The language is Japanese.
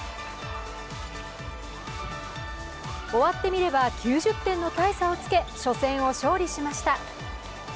終わってみれば９０点の大差をつけ初戦を勝利しました。